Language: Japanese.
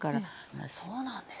そうなんですね。